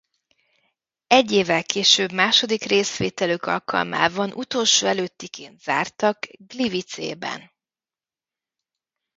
Egy évvel később második részvételük alkalmával utolsó előttiként zártak Gliwicében.